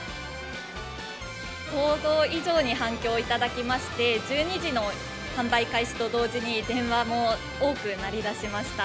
想像以上に反響をいただきまして、１２時の販売開始と同時に電話も多く鳴りだしました。